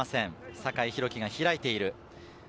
酒井宏樹が開いている。